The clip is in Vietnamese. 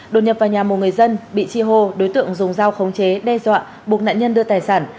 đột nhập vào nhà một người dân bị chi hô đối tượng dùng dao khống chế đe dọa buộc nạn nhân đưa tài sản